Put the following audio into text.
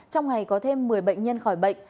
trong ngày có thêm một mươi bệnh nhân khỏi bệnh